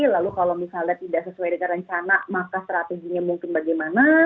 lalu kalau misalnya tidak sesuai dengan rencana maka strateginya mungkin bagaimana